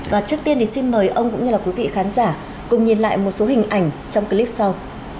và trước tiên thì xin mời ông cũng như là quý vị khán giả cùng nhìn lại một số hình ảnh trong clip sau